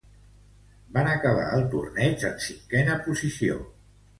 Van acabar el torneig en cinquena posició.